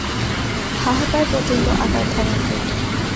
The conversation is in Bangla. হাহাকার প্রচণ্ড আকার ধারণ করল।